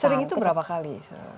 sering itu berapa kali